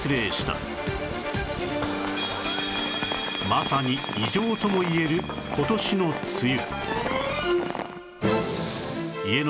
まさに異常ともいえる今年の梅雨